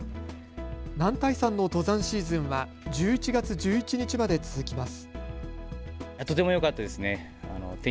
男体山の登山シーズンは１１月１１日まで続きます。